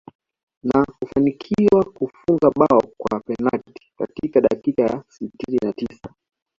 Na kufanikiwa kufunga bao kwa penalti katika dakika ya sitini na tisa